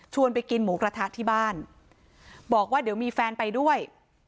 ไปกินหมูกระทะที่บ้านบอกว่าเดี๋ยวมีแฟนไปด้วย